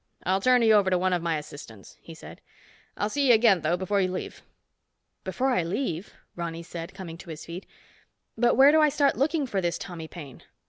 "I'll turn you over to one of my assistants," he said. "I'll see you again, though, before you leave." "Before I leave?" Ronny said, coming to his feet. "But where do I start looking for this Tommy Paine?"